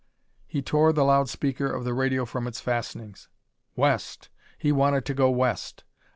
He tore the loud speaker of the radio from its fastenings. West! He wanted to go west!